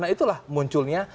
nah itulah munculnya